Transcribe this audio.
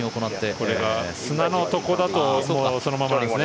これが砂のところだとそのままなんですね。